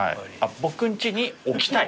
僕んちに置きたい？